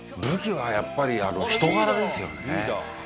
武器はやっぱりあの人柄ですよね。